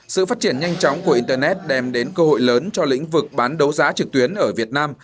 sự phát triển nhanh chóng của internet đem đến cơ hội lớn cho lĩnh vực bán đấu giá trực tuyến ở việt nam